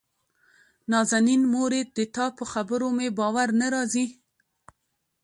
نازنين: مورې دتا په خبرو مې باور نه راځي.